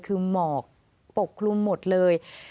คือหมอกปกคลุมหมดเลย